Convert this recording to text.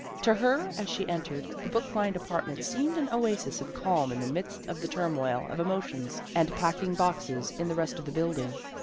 To her, as she en tered, the book lined apartment seemed an oasis of calm in the midst of the turmoil of emotions and packing boxes in the rest of the building.